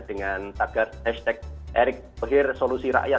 dengan tagar hashtag erick thohir solusi rakyat